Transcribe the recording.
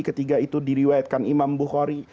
ketiga itu diriwayatkan imam bukhari